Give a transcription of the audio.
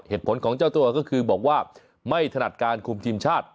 เหตุผลของเจ้าตัวก็คือบอกว่าไม่ถนัดการคุมทีมชาติ